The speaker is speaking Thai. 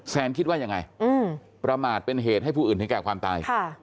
แซนคิดว่ายังไงประมาทเป็นเหตุให้ผู้อื่นถึงแก่ความตาย